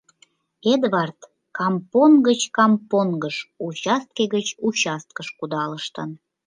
Эдвард кампонг гыч кампонгыш, участке гыч участкыш кудалыштын.